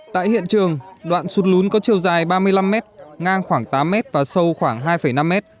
tại hiện trường đoạn sụt lún có chiều dài ba mươi năm mét ngang khoảng tám mét và sâu khoảng hai năm mét